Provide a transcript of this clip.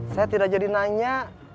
saya tidak jadi nanya